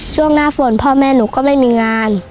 ช่วงหน้าฝนพ่อแม่หนูก็ไม่มีงาน